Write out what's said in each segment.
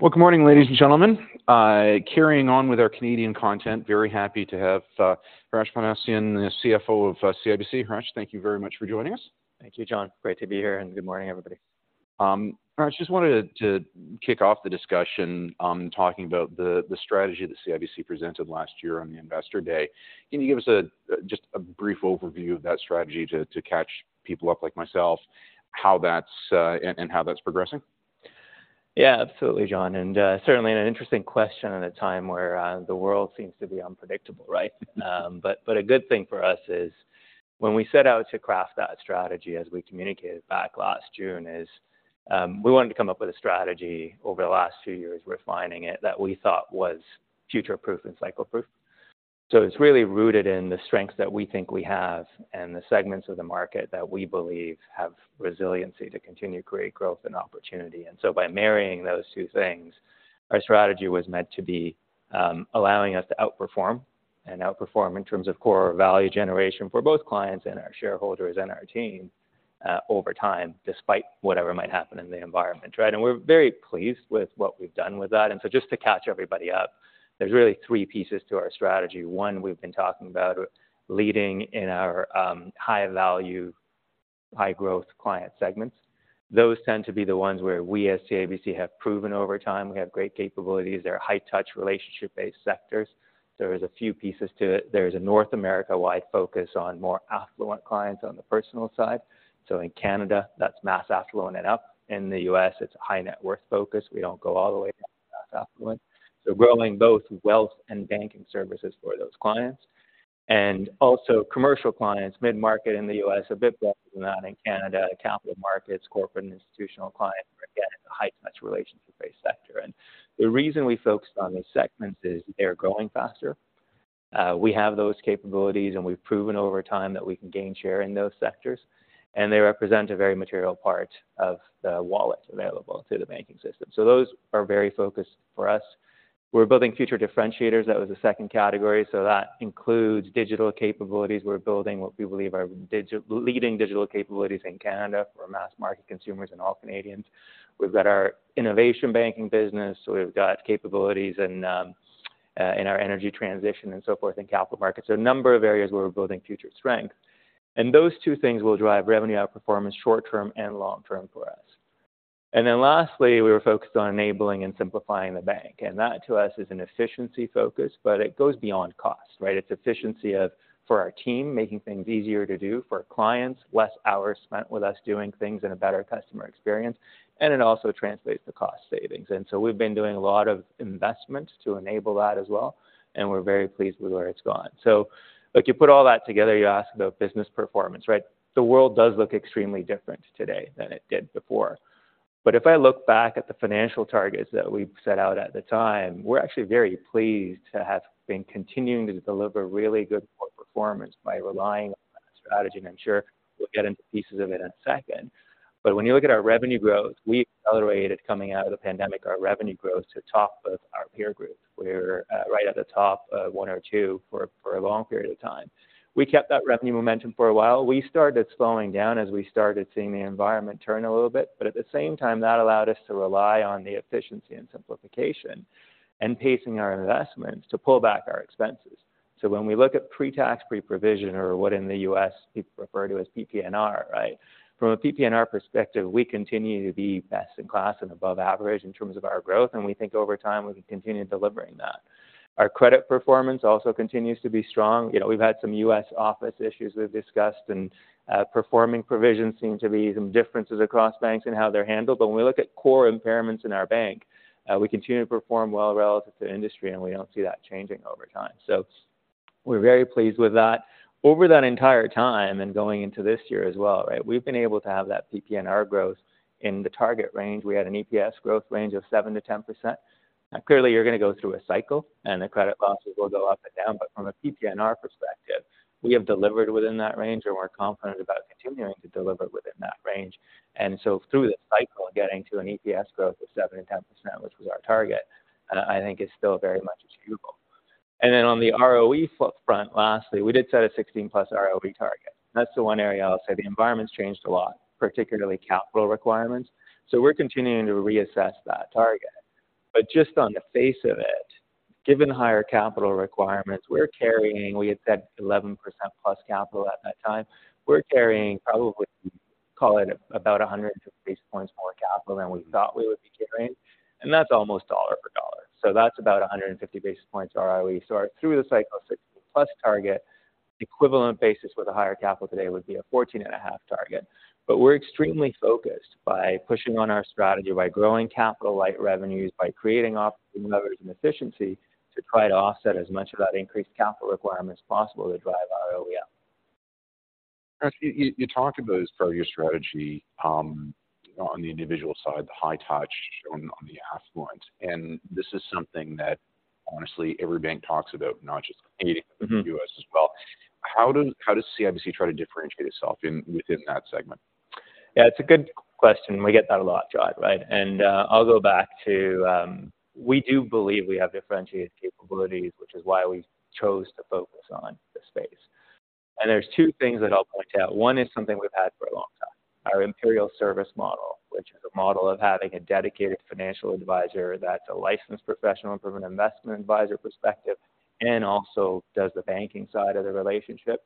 Well, good morning, ladies and gentlemen. Carrying on with our Canadian content, very happy to have Hratch Panossian, the CFO of CIBC. Hratch, thank you very much for joining us. Thank you, John. Great to be here, and good morning, everybody. Hratch, just wanted to kick off the discussion, talking about the strategy that CIBC presented last year on the Investor Day. Can you give us just a brief overview of that strategy to catch people up like myself, how that's and how that's progressing? Yeah, absolutely, John. And certainly an interesting question at a time where the world seems to be unpredictable, right? But a good thing for us is, when we set out to craft that strategy, as we communicated back last June, we wanted to come up with a strategy over the last two years, refining it, that we thought was future-proof and cycle-proof. So it's really rooted in the strengths that we think we have and the segments of the market that we believe have resiliency to continue to create growth and opportunity. And so by marrying those two things, our strategy was meant to be allowing us to outperform, and outperform in terms of core value generation for both clients and our shareholders and our team, over time, despite whatever might happen in the environment, right? We're very pleased with what we've done with that. So just to catch everybody up, there's really three pieces to our strategy. One, we've been talking about leading in our high value, high growth client segments. Those tend to be the ones where we, as CIBC, have proven over time we have great capabilities. They're high-touch, relationship-based sectors. There is a few pieces to it. There's a North America-wide focus on more affluent clients on the personal side. So in Canada, that's mass affluent and up. In the U.S., it's high net worth focus. We don't go all the way down to mass affluent. So growing both wealth and banking services for those clients. And also commercial clients, mid-market in the U.S., a bit more than that in Canada, capital markets, corporate and institutional clients, again, a high-touch, relationship-based sector. The reason we focused on these segments is they're growing faster, we have those capabilities, and we've proven over time that we can gain share in those sectors, and they represent a very material part of the wallet available to the banking system. So those are very focused for us. We're building future differentiators. That was the second category, so that includes digital capabilities. We're building what we believe are leading digital capabilities in Canada for mass market consumers and all Canadians. We've got our innovation banking business, so we've got capabilities in our energy transition and so forth in capital markets. So a number of areas where we're building future strength. And those two things will drive revenue outperformance, short term and long term for us. And then lastly, we were focused on enabling and simplifying the bank, and that to us is an efficiency focus, but it goes beyond cost, right? It's efficiency of, for our team, making things easier to do for our clients, less hours spent with us doing things and a better customer experience, and it also translates to cost savings. And so we've been doing a lot of investments to enable that as well, and we're very pleased with where it's gone. So if you put all that together, you ask about business performance, right? The world does look extremely different today than it did before. But if I look back at the financial targets that we set out at the time, we're actually very pleased to have been continuing to deliver really good core performance by relying on that strategy, and I'm sure we'll get into pieces of it in a second. But when you look at our revenue growth, we accelerated coming out of the pandemic, our revenue growth to the top of our peer group, where right at the top, one or two for a long period of time. We kept that revenue momentum for a while. We started slowing down as we started seeing the environment turn a little bit, but at the same time, that allowed us to rely on the efficiency and simplification and pacing our investments to pull back our expenses. So when we look at pre-tax, pre-provision or what in the U.S. people refer to as PPNR, right? From a PPNR perspective, we continue to be best in class and above average in terms of our growth, and we think over time, we can continue delivering that. Our credit performance also continues to be strong. You know, we've had some U.S. office issues we've discussed, and performing provisions seem to be some differences across banks and how they're handled. But when we look at core impairments in our bank, we continue to perform well relative to industry, and we don't see that changing over time. So we're very pleased with that. Over that entire time, and going into this year as well, right, we've been able to have that PPNR growth. In the target range, we had an EPS growth range of 7%-10%. Now, clearly, you're going to go through a cycle, and the credit losses will go up and down, but from a PPNR perspective, we have delivered within that range, and we're confident about continuing to deliver within that range. And so through the cycle, getting to an EPS growth of 7%-10%, which was our target, I think is still very much achievable. And then on the ROE front, lastly, we did set a 16+ ROE target. That's the one area I'll say the environment's changed a lot, particularly capital requirements, so we're continuing to reassess that target. But just on the face of it, given higher capital requirements, we're carrying... We had said 11%+ capital at that time. We're carrying probably, call it, about 150 basis points more capital than we thought we would be carrying, and that's almost dollar for dollar. So that's about 150 basis points ROE. So through the cycle 16%+ target, equivalent basis with a higher capital today would be a 14.5% target. But we're extremely focused by pushing on our strategy, by growing capital like revenues, by creating opportunity levers and efficiency to try to offset as much of that increased capital requirement as possible to drive ROE up. You talked about, as part of your strategy, on the individual side, the high touch on the affluent, and this is something that honestly, every bank talks about, not just Canada- Mm-hmm... but the U.S. as well. How does CIBC try to differentiate itself in, within that segment? Yeah, it's a good question. We get that a lot, John, right? And, I'll go back to, we do believe we have differentiated capabilities, which is why we chose to focus on the space. And there's two things that I'll point out. One is something we've had for a long time, our Imperial Service model, which is a model of having a dedicated financial advisor that's a licensed professional from an investment advisor perspective, and also does the banking side of the relationship.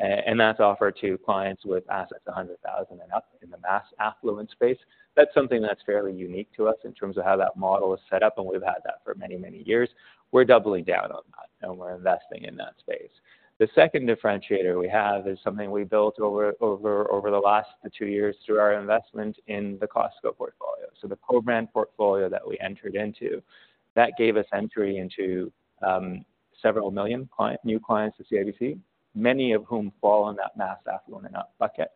And that's offered to clients with assets of 100,000 and up in the mass affluent space. That's something that's fairly unique to us in terms of how that model is set up, and we've had that for many, many years. We're doubling down on that, and we're investing in that space. The second differentiator we have is something we built over the last two years through our investment in the Costco portfolio. So the co-brand portfolio that we entered into, that gave us entry into several million new clients to CIBC, many of whom fall in that mass affluent and up bucket.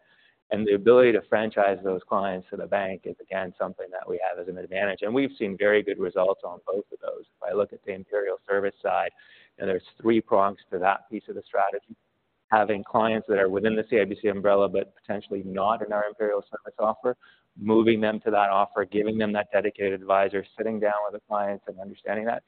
And the ability to franchise those clients to the bank is, again, something that we have as an advantage, and we've seen very good results on both of those. If I look at the Imperial Service side, and there's three prongs to that piece of the strategy. Having clients that are within the CIBC umbrella, but potentially not in our Imperial Service offer, moving them to that offer, giving them that dedicated advisor, sitting down with the clients and understanding that,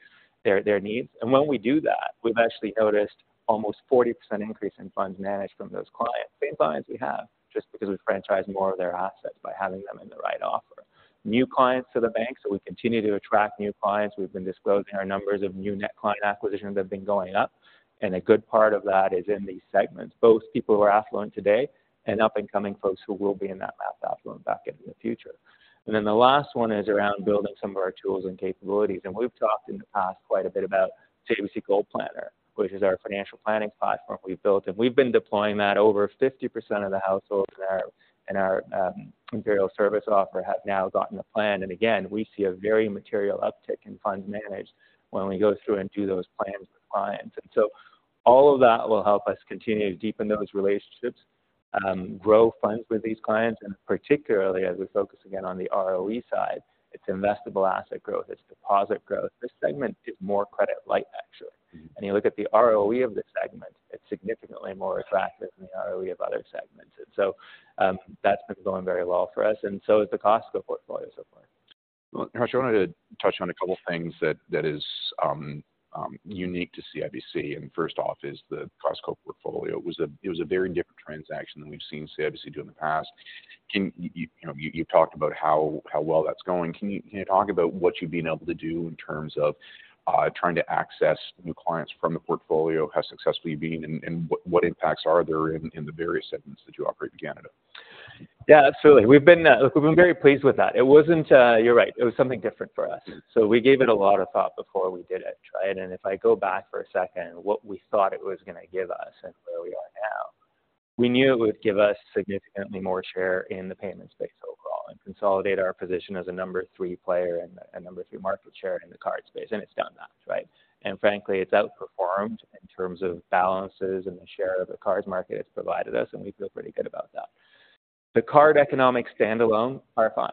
their needs. And when we do that, we've actually noticed almost 40% increase in funds managed from those clients. Same clients we have, just because we franchise more of their assets by having them in the right offer. New clients to the bank, so we continue to attract new clients. We've been disclosing our numbers of new net client acquisitions have been going up, and a good part of that is in these segments. Both people who are affluent today and up-and-coming folks who will be in that mass affluent bucket in the future. And then the last one is around building some of our tools and capabilities. And we've talked in the past quite a bit about CIBC GoalPlanner which is our financial planning platform we built, and we've been deploying that. Over 50% of the households in our Imperial Service offering have now gotten a plan. And again, we see a very material uptick in funds managed when we go through and do those plans with clients. And so all of that will help us continue to deepen those relationships, grow funds with these clients, and particularly as we focus again on the ROE side, it's investable asset growth, it's deposit growth. This segment is more credit-like, actually. Mm-hmm. You look at the ROE of the segment. It's significantly more attractive than the ROE of other segments. So, that's been going very well for us, and so is the Costco portfolio so far. Hratch, I wanted to touch on a couple of things that is unique to CIBC, and first off is the Costco portfolio. It was a very different transaction than we've seen CIBC do in the past. Can you... You know, you've talked about how well that's going. Can you talk about what you've been able to do in terms of trying to access new clients from the portfolio, how successful you've been, and what impacts are there in the various segments that you operate in Canada? Yeah, absolutely. We've been... Look, we've been very pleased with that. It wasn't, you're right, it was something different for us. Mm-hmm. So we gave it a lot of thought before we did it, right? And if I go back for a second, what we thought it was going to give us and where we are now, we knew it would give us significantly more share in the payment space overall and consolidate our position as a number three player and number three market share in the card space, and it's done that, right? And frankly, it's outperformed in terms of balances and the share of the cards market it's provided us, and we feel pretty good about that. The card economics standalone are fine.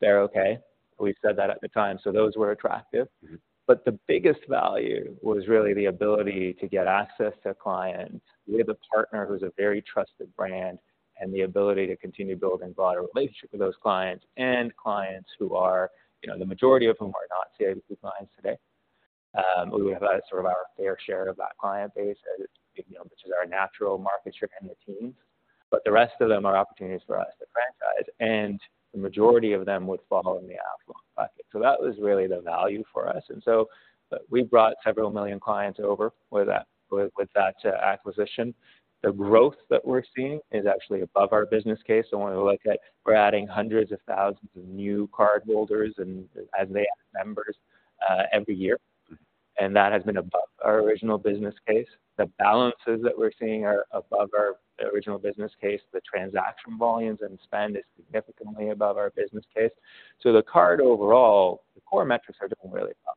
They're okay. We said that at the time, so those were attractive. Mm-hmm. But the biggest value was really the ability to get access to clients. We have a partner who's a very trusted brand, and the ability to continue building broader relationships with those clients and clients who are, you know, the majority of them are not CIBC clients today. We have sort of our fair share of that client base, as you know, which is our natural market share and the teams. But the rest of them are opportunities for us to franchise, and the majority of them would fall in the affluent bucket. So that was really the value for us. And so we brought several million clients over with that acquisition. The growth that we're seeing is actually above our business case. So when we look at, we're adding hundreds of thousands of new cardholders and as they add members every year, and that has been above our original business case. The balances that we're seeing are above our original business case. The transaction volumes and spend is significantly above our business case. So the card overall, the core metrics are doing really well.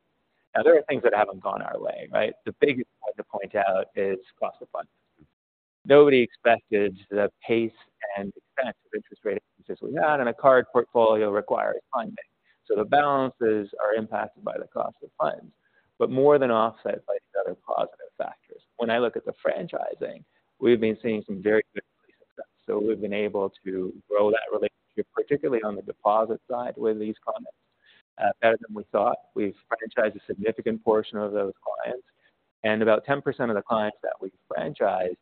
Now, there are things that haven't gone our way, right? The biggest one to point out is cost of funds. Nobody expected the pace and expense of interest rates to be out, and a card portfolio requires funding. So the balances are impacted by the cost of funds, but more than offset by the other positive factors. When I look at the franchising, we've been seeing some very good success. So we've been able to grow that relationship, particularly on the deposit side, with these clients, better than we thought. We've franchised a significant portion of those clients, and about 10% of the clients that we've franchised,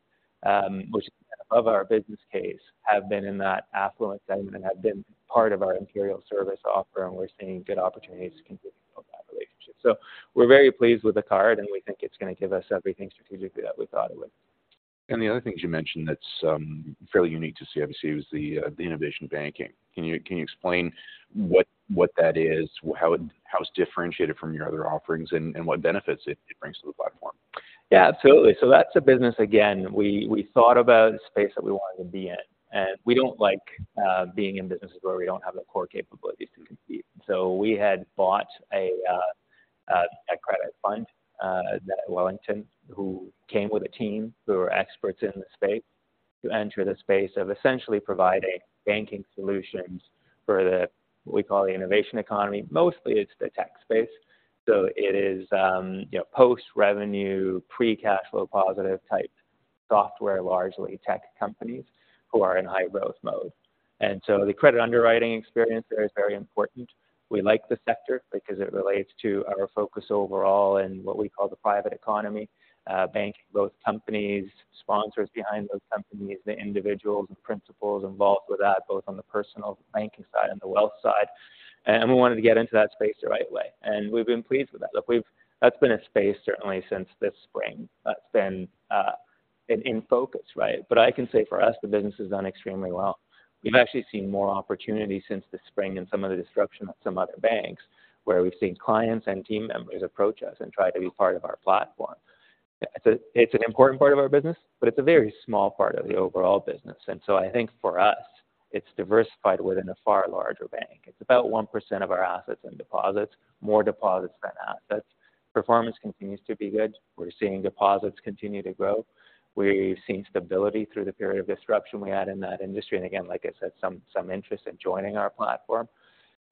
which above our business case, have been in that affluent segment and have been part of our Imperial Service offer, and we're seeing good opportunities to continue to build that relationship. So we're very pleased with the card, and we think it's going to give us everything strategically that we thought it would. The other thing you mentioned that's fairly unique to CIBC was the innovation banking. Can you explain what that is, how it's differentiated from your other offerings, and what benefits it brings to the platform? Yeah, absolutely. So that's a business, again, we, we thought about a space that we wanted to be in, and we don't like being in businesses where we don't have the core capabilities to compete. So we had bought a credit fund, Wellington, who came with a team who were experts in the space, to enter the space of essentially providing banking solutions for the, what we call the innovation economy. Mostly, it's the tech space. So it is, you know, post-revenue, pre-cash flow positive software, largely tech companies who are in high-growth mode. And so the credit underwriting experience there is very important. We like the sector because it relates to our focus overall in what we call the private economy, banking, those companies, sponsors behind those companies, the individuals and principals involved with that, both on the personal banking side and the wealth side. We wanted to get into that space the right way, and we've been pleased with that. Look, we've. That's been a space, certainly since this spring, that's been in focus, right? But I can say for us, the business has done extremely well. We've actually seen more opportunities since the spring and some of the disruption at some other banks, where we've seen clients and team members approach us and try to be part of our platform. It's an important part of our business, but it's a very small part of the overall business. And so I think for us, it's diversified within a far larger bank. It's about 1% of our assets and deposits, more deposits than assets. Performance continues to be good. We're seeing deposits continue to grow. We've seen stability through the period of disruption we had in that industry, and again, like I said, some interest in joining our platform.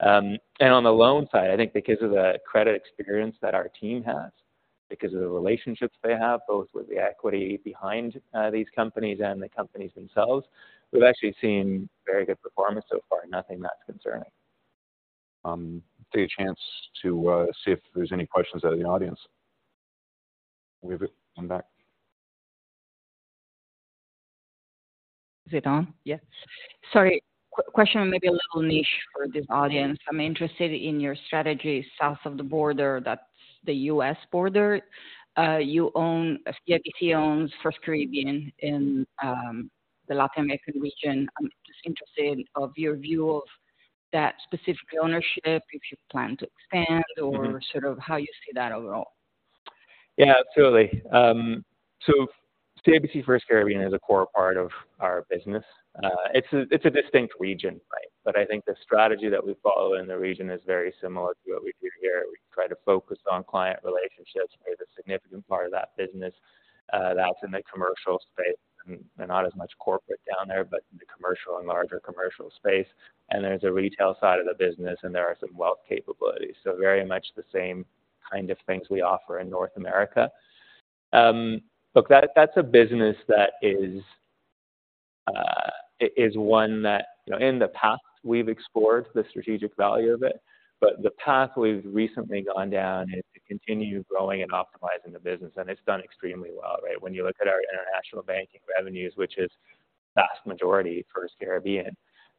And on the loan side, I think because of the credit experience that our team has, because of the relationships they have, both with the equity behind these companies and the companies themselves, we've actually seen very good performance so far. Nothing that's concerning. Take a chance to see if there's any questions out of the audience. We have it. Come back. Is it on? Yes. Sorry, question may be a little niche for this audience. I'm interested in your strategy south of the border, that's the U.S. border. You own, CIBC owns FirstCaribbean in the LatAm region. I'm just interested of your view of that specific ownership, if you plan to expand- Mm-hmm. or sort of how you see that overall. Yeah, absolutely. So CIBC FirstCaribbean is a core part of our business. It's a distinct region, right? But I think the strategy that we follow in the region is very similar to what we do here. We try to focus on client relationships with a significant part of that business that's in the commercial space, and not as much corporate down there, but in the commercial and larger commercial space. And there's a retail side of the business, and there are some wealth capabilities. So very much the same kind of things we offer in North America. Look, that's a business that is, it is one that, you know, in the past, we've explored the strategic value of it, but the path we've recently gone down is to continue growing and optimizing the business, and it's done extremely well, right? When you look at our international banking revenues, which is vast majority FirstCaribbean,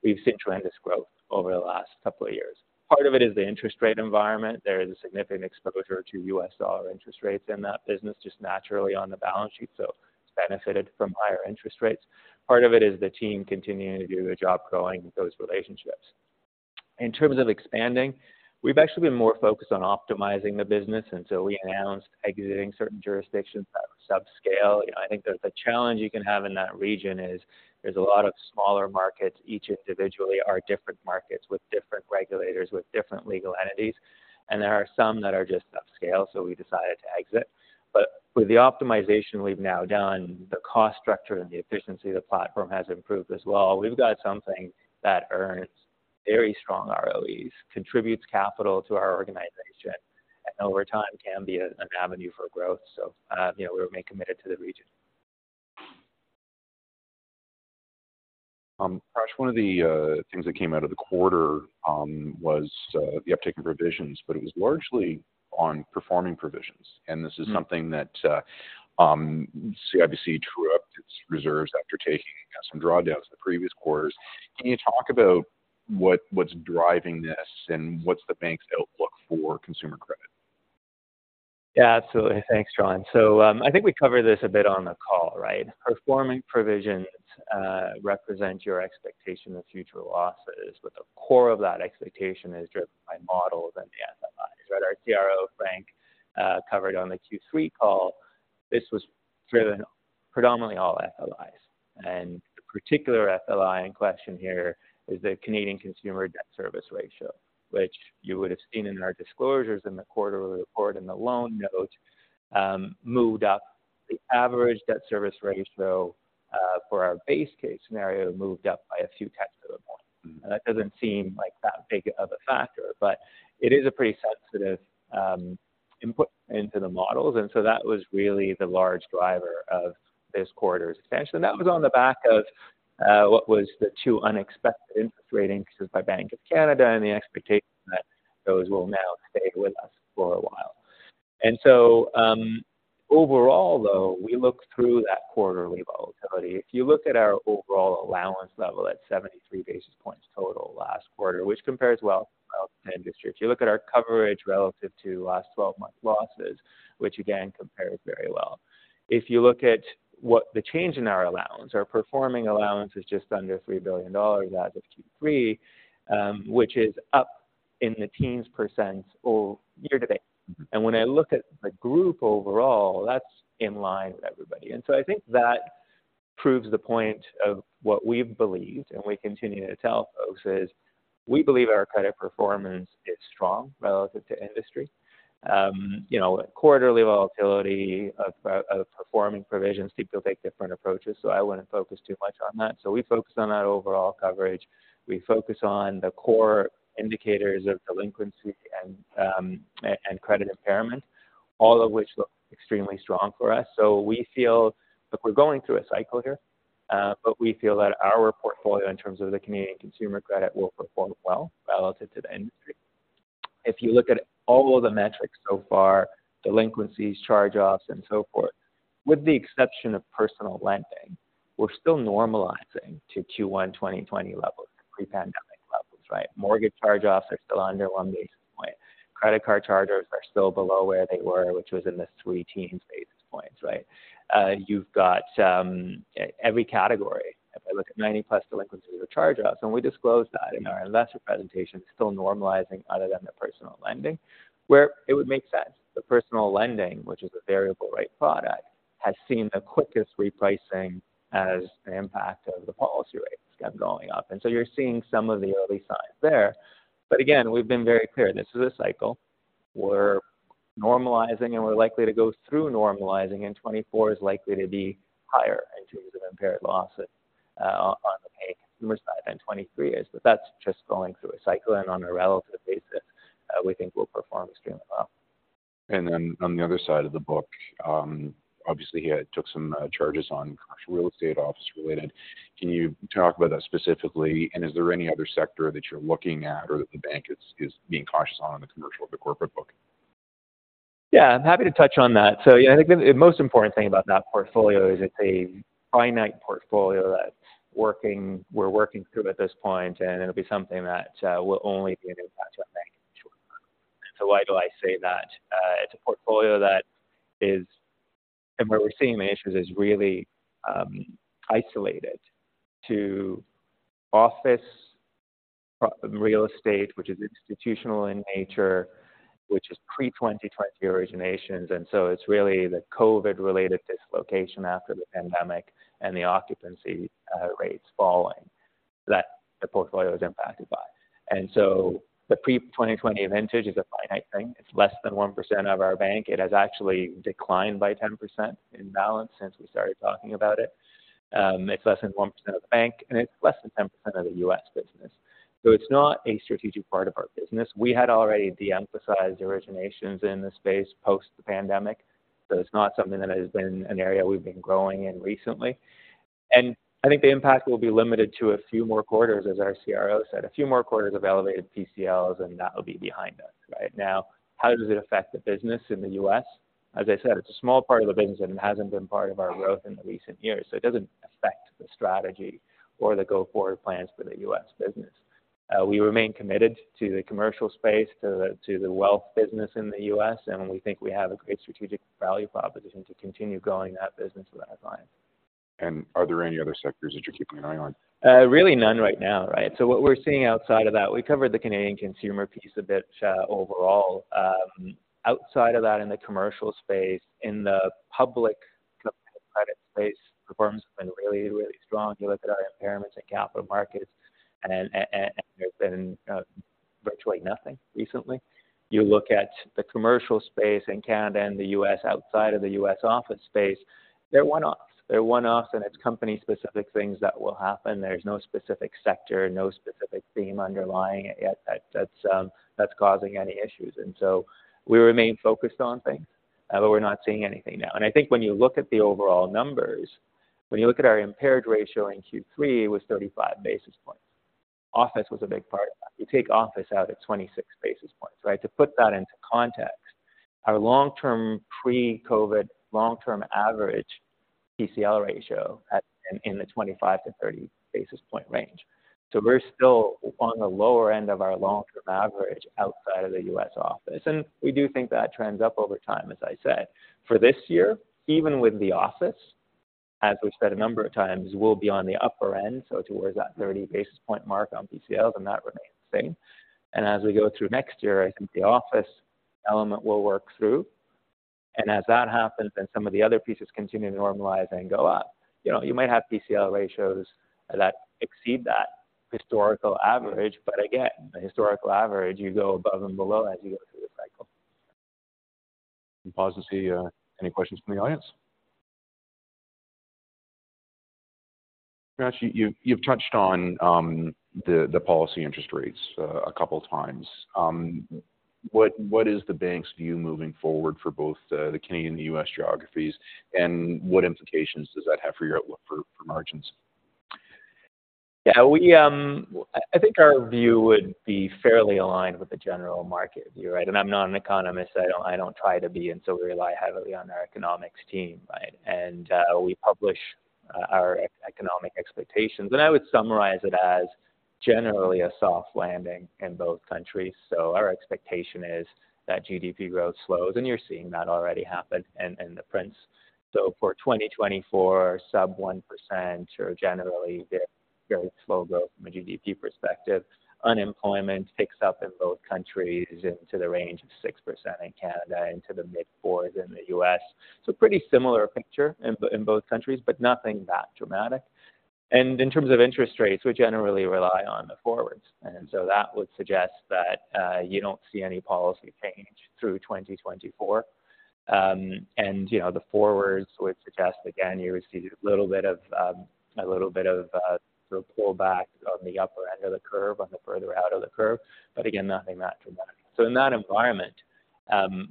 we've seen tremendous growth over the last couple of years. Part of it is the interest rate environment. There is a significant exposure to U.S. dollar interest rates in that business, just naturally on the balance sheet, so it's benefited from higher interest rates. Part of it is the team continuing to do a job growing those relationships. In terms of expanding, we've actually been more focused on optimizing the business, and so we announced exiting certain jurisdictions that subscale. You know, I think the challenge you can have in that region is there's a lot of smaller markets. Each individually, are different markets with different regulators, with different legal entities, and there are some that are just subscale, so we decided to exit. But with the optimization we've now done, the cost structure and the efficiency of the platform has improved as well. We've got something that earns very strong ROEs, contributes capital to our organization, and over time, can be a, an avenue for growth. So, you know, we remain committed to the region. Hratch, one of the things that came out of the quarter was the uptake in provisions, but it was largely on performing provisions. Mm. This is something that CIBC trued up its reserves after taking some drawdowns in the previous quarters. Can you talk about what's driving this, and what's the bank's outlook for consumer credit? Yeah, absolutely. Thanks, John. So, I think we covered this a bit on the call, right? Performing provisions represent your expectation of future losses, but the core of that expectation is driven by models and the FLIs, right? Our CRO, Frank, covered on the Q3 call. This was driven predominantly all FLIs, and the particular FLI in question here is the Canadian consumer debt service ratio, which you would have seen in our disclosures in the quarterly report and the loan notes, moved up. The average debt service ratio, for our base case scenario, moved up by a few tenths of a point. Mm. That doesn't seem like that big of a factor, but it is a pretty sensitive input into the models, and so that was really the large driver of this quarter's expansion. That was on the back of what was the two unexpected interest rate increases by Bank of Canada and the expectation that those will now stay with us for a while. And so, overall, though, we look through that quarterly volatility. If you look at our overall allowance level at 73 basis points total last quarter, which compares well, well to industry. If you look at our coverage relative to last 12-month losses, which again, compares very well. If you look at what the change in our allowance, our performing allowance is just under 3 billion dollars as of Q3, which is up in the teens percent year-to-date. Mm-hmm. When I look at the group overall, that's in line with everybody. So I think that proves the point of what we've believed, and we continue to tell folks, is we believe our credit performance is strong relative to industry. You know, quarterly volatility of performing provisions, people take different approaches, so I wouldn't focus too much on that. So we focus on our overall coverage. We focus on the core indicators of delinquency and and credit impairment, all of which look extremely strong for us. So we feel that we're going through a cycle here, but we feel that our portfolio, in terms of the Canadian consumer credit, will perform well relative to the industry. If you look at all the metrics so far, delinquencies, charge-offs, and so forth, with the exception of personal lending, we're still normalizing to Q1, 2020 levels, pre-pandemic levels, right? Mortgage charge-offs are still under 1 basis point. Credit card charge-offs are still below where they were, which was in the 300 basis points, right? You've got, every category, if I look at 90+ delinquencies or charge-offs, and we disclosed that in our investor presentation, still normalizing other than the personal lending, where it would make sense. The personal lending, which is a variable rate product, has seen the quickest repricing as the impact of the policy rates kept going up. And so you're seeing some of the early signs there. But again, we've been very clear, this is a cycle. We're normalizing and we're likely to go through normalizing, and 2024 is likely to be higher in terms of impaired losses on the consumer side than 2023 is. But that's just going through a cycle, and on a relative basis, we think we'll perform extremely well. Then on the other side of the book, obviously, you took some charges on commercial real estate, office related. Can you talk about that specifically, and is there any other sector that you're looking at, or that the bank is being cautious on, on the commercial of the corporate book? Yeah, I'm happy to touch on that. So, yeah, I think the most important thing about that portfolio is it's a finite portfolio that we're working through at this point, and it'll be something that will only be an impact on the bank in the short run. So why do I say that? It's a portfolio, and where we're seeing the issues is really isolated to office real estate, which is institutional in nature, which is pre-2020 originations. And so it's really the COVID-related dislocation after the pandemic and the occupancy rates falling, that the portfolio is impacted by. And so the pre-2020 vintage is a finite thing. It's less than 1% of our bank. It has actually declined by 10% in balance since we started talking about it. It's less than 1% of the bank, and it's less than 10% of the U.S. business. So it's not a strategic part of our business. We had already de-emphasized originations in the space post the pandemic, so it's not something that has been an area we've been growing in recently. And I think the impact will be limited to a few more quarters, as our CRO said, a few more quarters of elevated PCLs, and that will be behind us, right? Now, how does it affect the business in the U.S.? As I said, it's a small part of the business, and it hasn't been part of our growth in the recent years, so it doesn't affect the strategy or the go-forward plans for the U.S. business. We remain committed to the commercial space, to the wealth business in the U.S., and we think we have a great strategic value proposition to continue growing that business with that line. Are there any other sectors that you're keeping an eye on? Really none right now, right? So what we're seeing outside of that, we covered the Canadian consumer piece a bit, overall. Outside of that, in the commercial space, in the public credit space, performance has been really, really strong. You look at our impairments in capital markets, and, and there's been virtually nothing recently. You look at the commercial space in Canada and the U.S., outside of the U.S. office space, they're one-offs. They're one-offs, and it's company-specific things that will happen. There's no specific sector, no specific theme underlying it yet that's that's causing any issues. And so we remain focused on things, but we're not seeing anything now. And I think when you look at the overall numbers, when you look at our impaired ratio in Q3, it was 35 basis points. Office was a big part of that. You take office out at 26 basis points, right? To put that into context, our long-term, pre-COVID, long-term average PCL ratio at, in the 25-30 basis point range. So we're still on the lower end of our long-term average outside of the US office, and we do think that trends up over time, as I said. For this year, even with the office, as we've said a number of times, we'll be on the upper end, so towards that 30 basis point mark on PCLs, and that remains the same. And as we go through next year, I think the office element will work through, and as that happens, then some of the other pieces continue to normalize and go up. You know, you might have PCL ratios that exceed that historical average, but again, the historical average, you go above and below as you go through the cycle. Pause and see any questions from the audience. Actually, you've touched on the policy interest rates a couple of times. What is the bank's view moving forward for both the Canadian and the U.S. geographies, and what implications does that have for your outlook for margins? Yeah, we, I think our view would be fairly aligned with the general market view, right? And I'm not an economist. I don't, I don't try to be, and so we rely heavily on our economics team, right? And, we publish our economic expectations, and I would summarize it as generally a soft landing in both countries. So our expectation is that GDP growth slows, and you're seeing that already happen in the prints. So for 2024, sub-1% are generally very slow growth from a GDP perspective. Unemployment picks up in both countries into the range of 6% in Canada, into the mid-4% in the U.S. So pretty similar picture in both countries, but nothing that dramatic. In terms of interest rates, we generally rely on the forwards, and so that would suggest that you don't see any policy change through 2024. And, you know, the forwards would suggest, again, you would see a little bit of sort of pullback on the upper end of the curve, on the further out of the curve, but again, nothing that dramatic. So in that environment,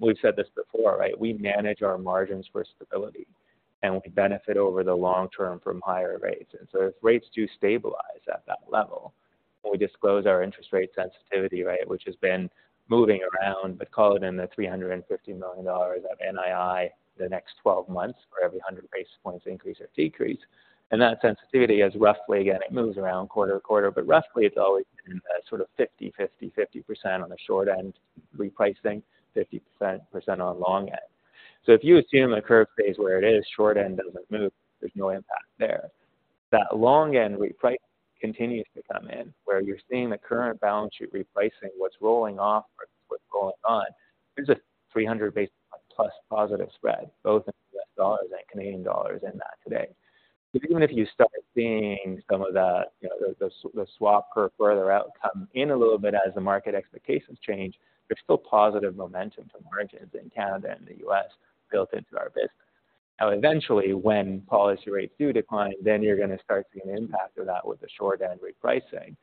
we've said this before, right? We manage our margins for stability, and we benefit over the long term from higher rates. And so if rates do stabilize at that level, and we disclose our interest rate sensitivity rate, which has been moving around, but call it 350 million dollars of NII the next 12 months for every 100 basis points increase or decrease. That sensitivity is roughly, again, it moves around quarter-over-quarter, but roughly it's always been sort of 50/50, 50% on the short end repricing, 50% on long end. So if you assume the curve stays where it is, short end doesn't move, there's no impact there. That long end repricing continues to come in, where you're seeing the current balance sheet replacing what's rolling off versus what's going on. There's a 300 basis point plus positive spread, both in U.S. dollars and Canadian dollars in that today. So even if you start seeing some of the, you know, the swap curve further out, come in a little bit as the market expectations change, there's still positive momentum from margins in Canada and the U.S. built into our business. Now, eventually, when policy rates do decline, then you're going to start to see an impact of that with the short end repricing.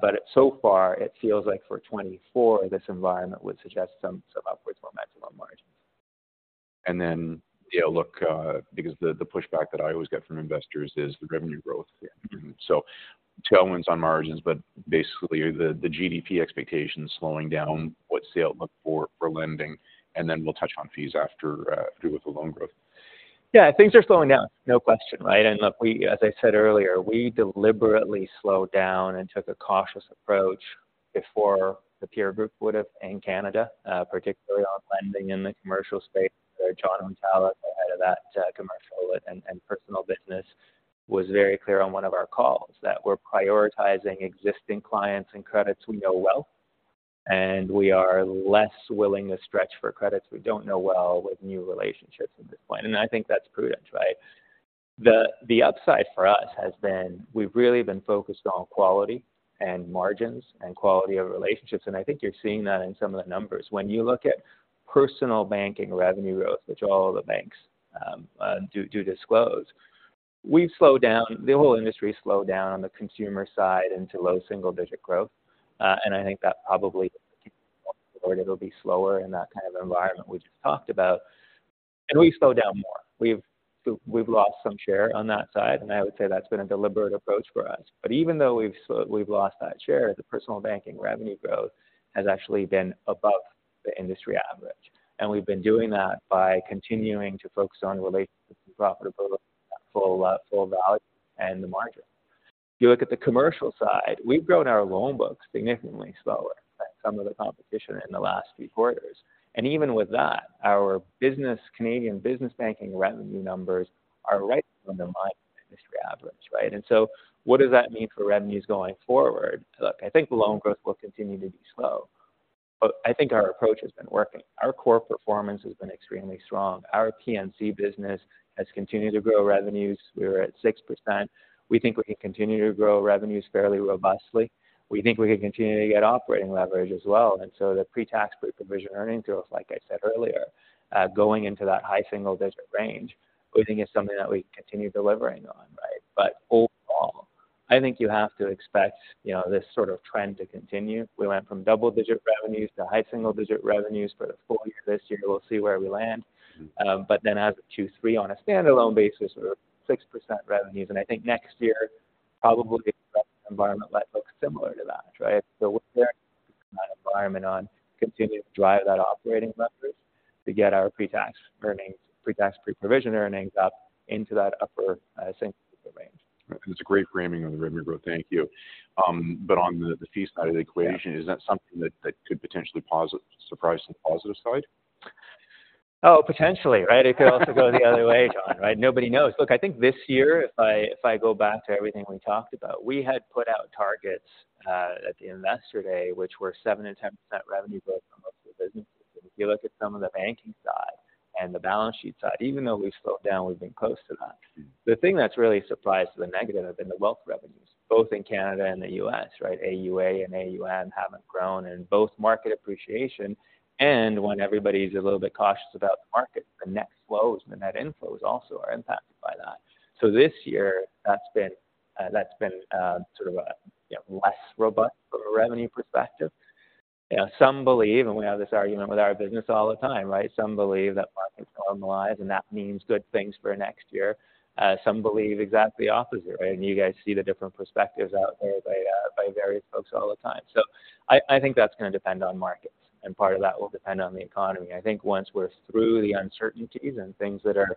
But so far, it feels like for 2024, this environment would suggest some upwards momentum on margins. And then, you know, look, because the pushback that I always get from investors is the revenue growth. Yeah. So tailwinds on margins, but basically, the GDP expectations slowing down, what's the outlook for lending? And then we'll touch on fees after through with the loan growth. Yeah, things are slowing down, no question, right? And look, we—as I said earlier, we deliberately slowed down and took a cautious approach before the peer group would have in Canada, particularly on lending in the commercial space, where Jon Hountalas, the head of that, commercial and personal business, was very clear on one of our calls, that we're prioritizing existing clients and credits we know well, and we are less willing to stretch for credits we don't know well with new relationships at this point, and I think that's prudent, right? The upside for us has been we've really been focused on quality and margins and quality of relationships, and I think you're seeing that in some of the numbers. When you look at personal banking revenue growth, which all the banks do disclose, we've slowed down, the whole industry slowed down on the consumer side into low single digit growth. And I think that probably it'll be slower in that kind of environment we just talked about. And we slowed down more. We've lost some share on that side, and I would say that's been a deliberate approach for us. But even though we've lost that share, the personal banking revenue growth has actually been above the industry average. And we've been doing that by continuing to focus on relationships and profitability, full value, and the margin. You look at the commercial side, we've grown our loan books significantly slower than some of the competition in the last few quarters. Even with that, our business, Canadian business banking revenue numbers are right on the line with the industry average, right? So what does that mean for revenues going forward? Look, I think the loan growth will continue to be slow, but I think our approach has been working. Our core performance has been extremely strong. Our P&C business has continued to grow revenues. We were at 6%. We think we can continue to grow revenues fairly robustly. We think we can continue to get operating leverage as well. So the pre-tax provision earnings growth, like I said earlier, going into that high single digit range, we think is something that we continue delivering on, right? But overall, I think you have to expect, you know, this sort of trend to continue. We went from double-digit revenues to high single-digit revenues for the full year. This year, we'll see where we land. But then as of Q3, on a standalone basis, we're at 6% revenues, and I think next year, probably the environment might look similar to that, right? So we're in that environment on continuing to drive that operating leverage to get our pre-tax earnings, pre-tax, pre-provision earnings up into that upper single range. It's a great framing on the revenue growth. Thank you. But on the fee side of the equation- Yeah. Is that something that could potentially pose a surprise on the positive side? Oh, potentially, right? It could also go the other way, John, right? Nobody knows. Look, I think this year, if I go back to everything we talked about, we had put out targets at the Investor Day, which were 7% and 10% revenue growth for most of the businesses. If you look at some of the banking side and the balance sheet side, even though we've slowed down, we've been close to that. The thing that's really surprised to the negative have been the wealth revenues, both in Canada and the U.S., right? AUA and AUM haven't grown, and both market appreciation, and when everybody's a little bit cautious about the market, the net flows and the net inflows also are impacted by that. So this year, that's been sort of a, you know, less robust from a revenue perspective. You know, some believe, and we have this argument with our business all the time, right? Some believe exactly the opposite, right? And you guys see the different perspectives out there by, by various folks all the time. So I, I think that's going to depend on markets, and part of that will depend on the economy. I think once we're through the uncertainties and things that are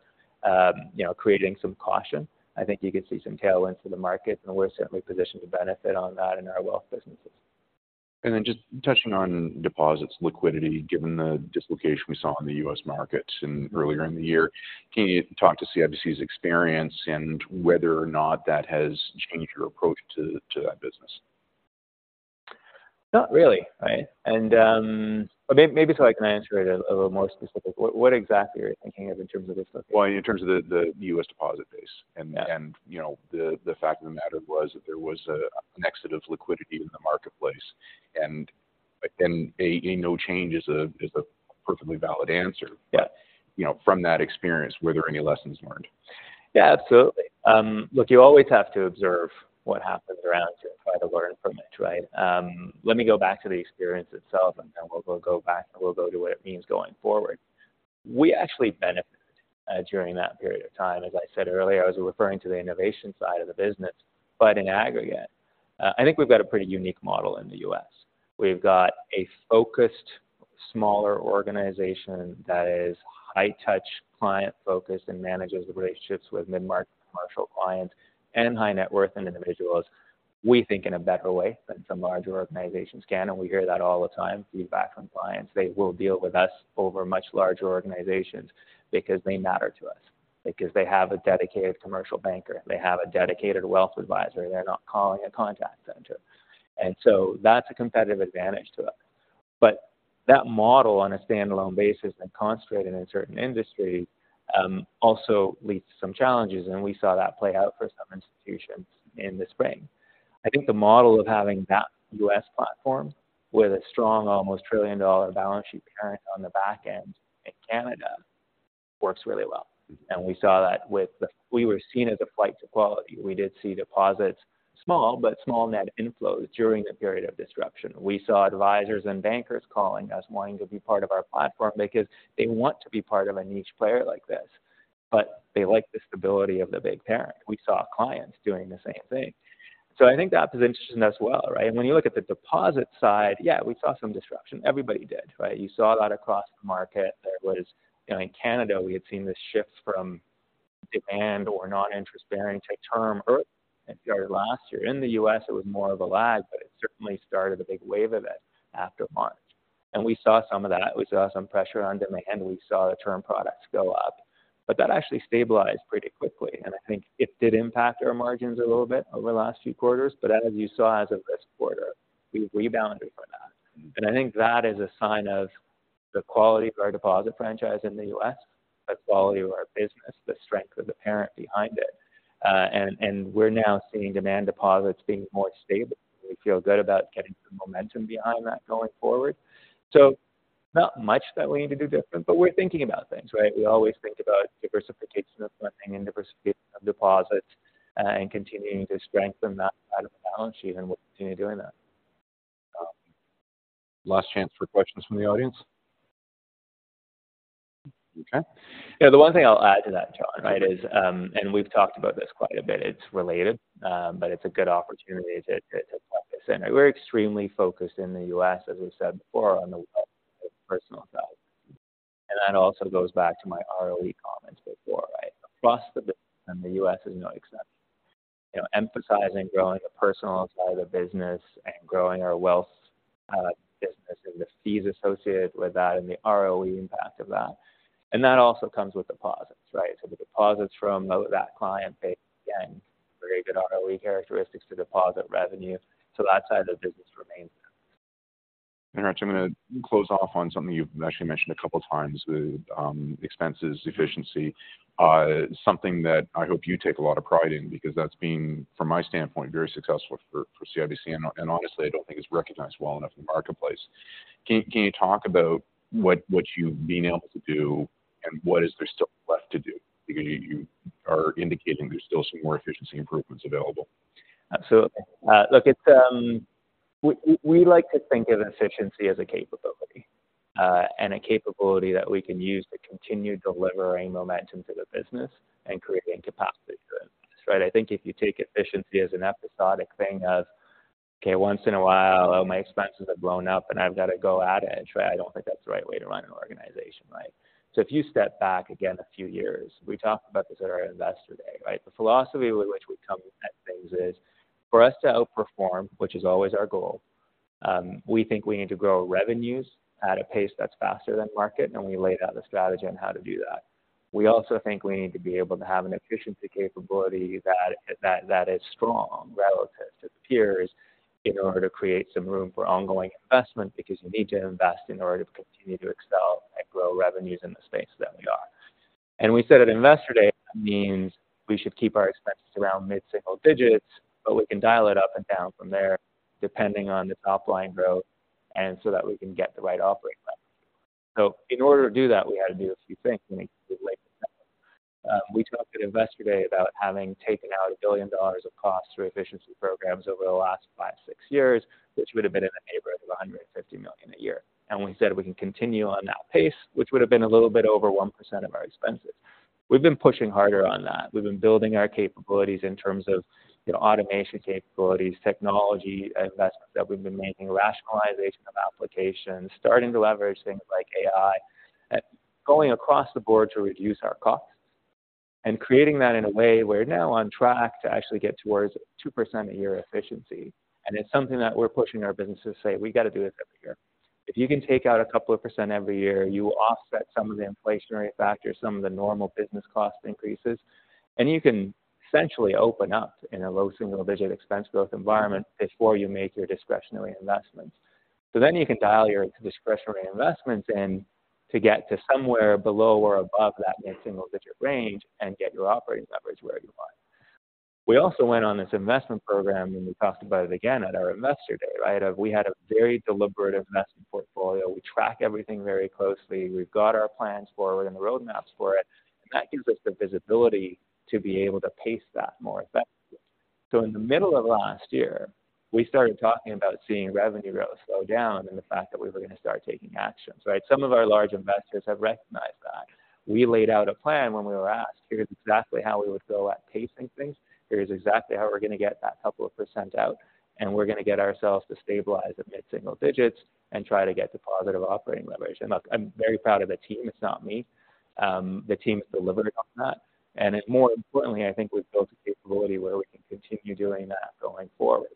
creating some caution, I think you could see some tailwinds in the market, and we're certainly positioned to benefit on that in our wealth businesses. Then, just touching on deposits, liquidity, given the dislocation we saw in the U.S. market earlier in the year, can you talk to CIBC's experience and whether or not that has changed your approach to that business? Not really, right? Maybe so I can answer it a little more specific. What exactly are you thinking of in terms of dislocation? Well, in terms of the U.S. deposit base. Yeah. You know, the fact of the matter was that there was an exit of liquidity in the marketplace. And a no change is a perfectly valid answer. Yeah. You know, from that experience, were there any lessons learned?... Yeah, absolutely. Look, you always have to observe what happens around you and try to learn from it, right? Let me go back to the experience itself, and then we'll, we'll go back, and we'll go to what it means going forward. We actually benefited during that period of time. As I said earlier, I was referring to the innovation side of the business. But in aggregate, I think we've got a pretty unique model in the U.S. We've got a focused, smaller organization that is high touch, client-focused, and manages the relationships with mid-market commercial clients and high net worth individuals. We think in a better way than some larger organizations can, and we hear that all the time, feedback from clients. They will deal with us over much larger organizations because they matter to us, because they have a dedicated commercial banker, they have a dedicated wealth advisor, they're not calling a contact center. And so that's a competitive advantage to us. But that model, on a standalone basis and concentrated in a certain industry, also leads to some challenges, and we saw that play out for some institutions in the spring. I think the model of having that U.S. platform with a strong, almost trillion-dollar balance sheet parent on the back end in Canada works really well, and we saw that we were seen as a flight to quality. We did see deposits, small, but small net inflows during the period of disruption. We saw advisors and bankers calling us, wanting to be part of our platform because they want to be part of a niche player like this, but they like the stability of the big parent. We saw clients doing the same thing. So I think that was interesting as well, right? When you look at the deposit side, yeah, we saw some disruption. Everybody did, right? You saw that across the market. There was. You know, in Canada, we had seen this shift from demand or non-interest bearing to term early. It started last year. In the U.S., it was more of a lag, but it certainly started a big wave of it after March, and we saw some of that. We saw some pressure on demand, and we saw the term products go up, but that actually stabilized pretty quickly, and I think it did impact our margins a little bit over the last few quarters. But as you saw as of this quarter, we've rebounded from that. And I think that is a sign of the quality of our deposit franchise in the U.S., the quality of our business, the strength of the parent behind it. And we're now seeing demand deposits being more stable. We feel good about getting some momentum behind that going forward. So not much that we need to do different, but we're thinking about things, right? We always think about diversification of lending and diversification of deposits, and continuing to strengthen that side of the balance sheet, and we'll continue doing that. Last chance for questions from the audience. Okay. Yeah, the one thing I'll add to that, John, right, is... And we've talked about this quite a bit. It's related, but it's a good opportunity to plug this in. We're extremely focused in the U.S., as we've said before, on the personal side. And that also goes back to my ROE comments before, right? Across the business, and the U.S. is no exception. You know, emphasizing growing the personal side of business and growing our wealth business, and the fees associated with that and the ROE impact of that. And that also comes with deposits, right? So the deposits from that client base, again, very good ROE characteristics to deposit revenue, so that side of the business remains there. All right, I'm going to close off on something you've actually mentioned a couple of times, the expenses, efficiency. Something that I hope you take a lot of pride in, because that's been, from my standpoint, very successful for CIBC, and honestly, I don't think it's recognized well enough in the marketplace. Can you talk about what you've been able to do, and what is there still left to do? Because you are indicating there's still some more efficiency improvements available. Absolutely. Look, it's... We like to think of efficiency as a capability, and a capability that we can use to continue delivering momentum to the business and creating capacity for the business, right? I think if you take efficiency as an episodic thing of, okay, once in a while, oh, my expenses have blown up, and I've got to go at it, right? I don't think that's the right way to run an organization, right? So if you step back again a few years, we talked about this at our Investor Day, right? The philosophy with which we come at things is, for us to outperform, which is always our goal, we think we need to grow revenues at a pace that's faster than market, and we laid out the strategy on how to do that. We also think we need to be able to have an efficiency capability that is strong relative to peers in order to create some room for ongoing investment, because you need to invest in order to continue to excel and grow revenues in the space that we are. And we said at Investor Day, that means we should keep our expenses around mid-single digits, but we can dial it up and down from there, depending on the top line growth and so that we can get the right operating level. So in order to do that, we had to do a few things, and we laid them out. We talked at Investor Day about having taken out 1 billion dollars of costs through efficiency programs over the last five, six years, which would have been in the neighborhood of 150 million a year. We said we can continue on that pace, which would have been a little bit over 1% of our expenses. We've been pushing harder on that. We've been building our capabilities in terms of, you know, automation capabilities, technology investments that we've been making, rationalization of applications, starting to leverage things like AI. Going across the board to reduce our costs and creating that in a way we're now on track to actually get towards 2% a year efficiency. And it's something that we're pushing our businesses to say, "We got to do this every year." If you can take out a couple of percent every year, you offset some of the inflationary factors, some of the normal business cost increases, and you can essentially open up in a low single-digit expense growth environment before you make your discretionary investments. So then you can dial your discretionary investments in to get to somewhere below or above that mid-single-digit range and get your operating leverage where you want it. We also went on this investment program, and we talked about it again at our Investor Day, right? We had a very deliberate investment portfolio. We track everything very closely. We've got our plans forward and the roadmaps for it, and that gives us the visibility to be able to pace that more effectively. So in the middle of last year, we started talking about seeing revenue growth slow down and the fact that we were going to start taking actions, right? Some of our large investors have recognized that. We laid out a plan when we were asked. Here's exactly how we would go at pacing things. Here's exactly how we're going to get that couple of percent out, and we're going to get ourselves to stabilize at mid-single digits and try to get to positive operating leverage. Look, I'm very proud of the team. It's not me. The team has delivered on that. More importantly, I think we've built a capability where we can continue doing that going forward.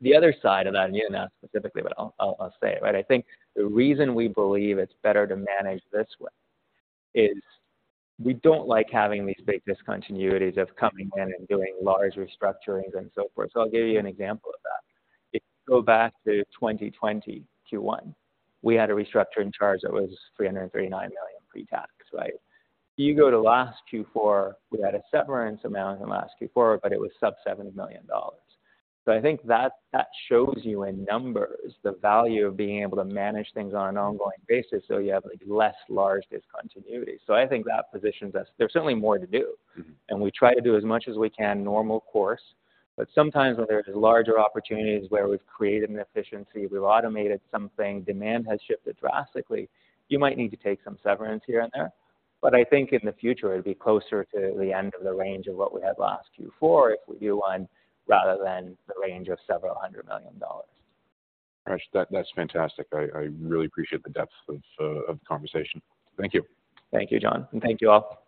The other side of that, and you didn't ask specifically, but I'll say it, right? I think the reason we believe it's better to manage this way is we don't like having these big discontinuities of coming in and doing large restructurings and so forth. I'll give you an example of that. If you go back to 2020 Q1, we had a restructuring charge that was 339 million pre-tax, right? You go to last Q4. We had a severance amount in the last Q4, but it was sub 7 million dollars. So I think that, that shows you in numbers the value of being able to manage things on an ongoing basis, so you have, like, less large discontinuities. So I think that positions us. There's certainly more to do- Mm-hmm. And we try to do as much as we can normal course. But sometimes when there's larger opportunities where we've created an efficiency, we've automated something, demand has shifted drastically, you might need to take some severance here and there. But I think in the future, it'll be closer to the end of the range of what we had last Q4, if we do one, rather than the range of several hundred million dollars. That, that's fantastic. I really appreciate the depth of the conversation. Thank you. Thank you, John, and thank you all.